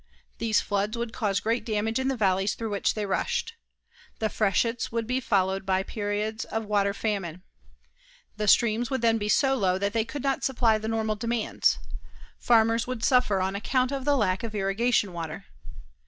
These floods would cause great damage in the valleys through which they rushed. The freshets would be followed by periods of water famine. The streams would then be so low that they could not supply the normal demands. Farmers would suffer on account of the lack of irrigation water.